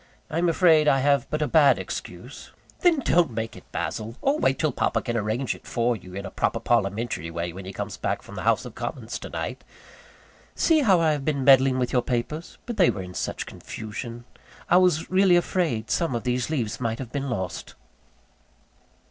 I am afraid I have but a bad excuse " "Then don't make it, Basil; or wait till papa can arrange it for you, in a proper parliamentary way, when he comes back from the House of Commons to night. See how I have been meddling with your papers; but they were in such confusion I was really afraid some of these leaves might have been lost."